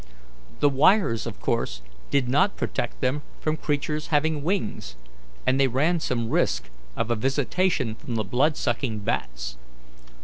The wires of course did not protect them from creatures having wings, and they ran some risk of a visitation from the blood sucking bats.